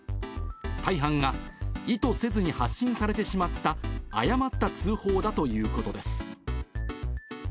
大半が意図せずに発信されてしまった、誤った通報だということです。